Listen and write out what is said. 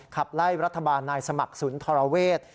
ขับไล่รัฐบาลนายสมัครศุนย์ธราเวทย์